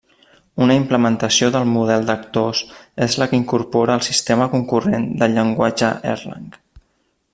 Una implementació del model d'Actors és la que incorpora el sistema concurrent del llenguatge Erlang.